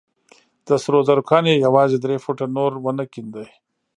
د سرو زرو کان يې يوازې درې فوټه نور ونه کينده.